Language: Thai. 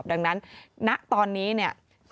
ดังนั้นณตอนนี้เนี่ย